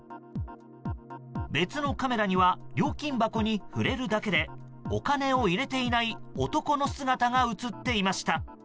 別のカメラには料金箱に触れるだけでお金を入れていない男の姿が映っていました。